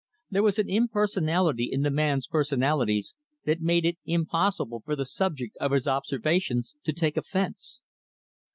There was an impersonality in the man's personalities that made it impossible for the subject of his observations to take offense.